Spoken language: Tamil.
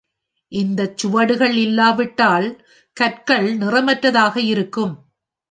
இந்தச் சுவடுகள் இல்லாவிட்டால், கற்கள் நிறமற்றதாக இருக்கும்.